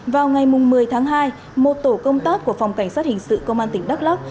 vào ngày một mươi tháng hai một tổ công tác của phòng cảnh sát hình sự công an tỉnh đắk lắc